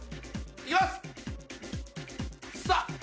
いきます。